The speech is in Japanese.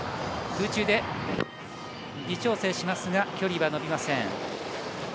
空中で微調整しますが距離は伸びません。